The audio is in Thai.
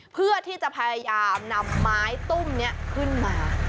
เพื่อที่จะพยายามนำไม้ตุ้มนี้ขึ้นมา